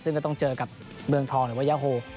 ซึ่งก็ต้องเจอกับเมืองทองหรือว่ายาโฮ